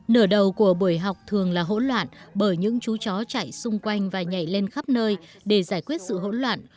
nửa đầu của buổi học thường là hỗn loạn bởi những chú chó chạy xung quanh và nhảy lên khắp nơi để giải quyết sự hỗn loạn